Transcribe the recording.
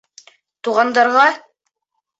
Туғандарға: